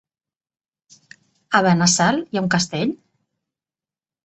A Benassal hi ha un castell?